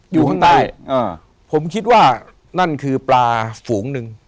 อยู่ข้างใต้อ่าผมคิดว่านั่นคือปลาฝูงหนึ่ง